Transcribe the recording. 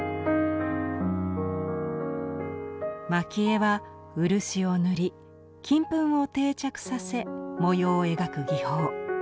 蒔絵は漆を塗り金粉を定着させ模様を描く技法。